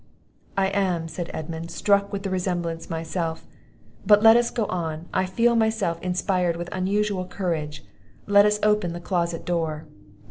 "I am," said Edmund, "struck with the resemblance myself; but let us go on; I feel myself inspired with unusual courage. Let us open the closet door."